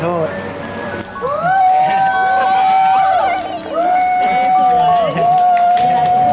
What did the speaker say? ขอบคุณทุกคน